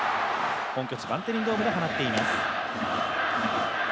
本拠地・バンテリンドームで放っています。